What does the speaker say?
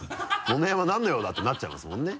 「野々山何の用だ」ってなっちゃいますもんね。